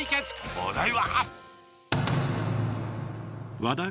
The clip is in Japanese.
お題は。